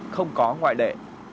không có ngoại đệ